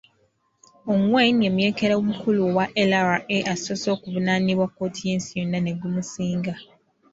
Ongwen ye muyeekera omukulu owa LRA asoose okuvunaanibwa kkooti y'ensi yonna ne gumusinga.